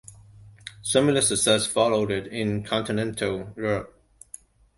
Similar success followed in continental Europe.